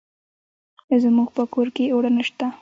زموږ په کور کې اوړه نشته.